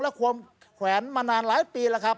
และควมแขวนมานานหลายปี